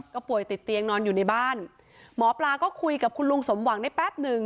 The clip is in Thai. ก็ป่วยติดเตียงนอนอยู่ในบ้านหมอปลาก็คุยกับคุณลุงสมหวังได้แป๊บหนึ่ง